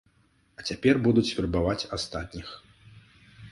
А цяпер будуць вербаваць астатніх.